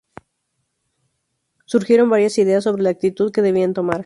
Surgieron varias ideas sobre la actitud que debían tomar.